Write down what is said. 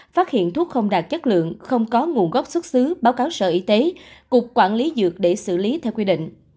phát hiện thuốc không đạt chất lượng không có nguồn gốc xuất xứ báo cáo sở y tế cục quản lý dược để xử lý theo quy định